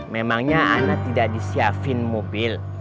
memangnya anak tidak disiapin mobil